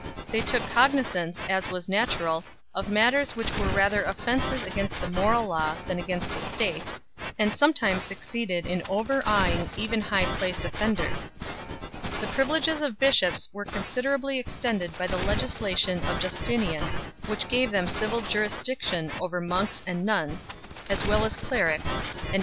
They took cognizance, as was natural, of matters which were rather offences against the moral law than against the state, and sometimes succeeded in overawing even high placed offenders. The privileges of bishops were considerably extended by the legislation of Justinian, which gave them civil jurisdiction over monks and nuns 6 , as well as clerics, and added legal sanction to the over 1 Euseb. Vita C.